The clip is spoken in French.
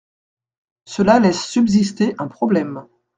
Cela laisse subsister un problème.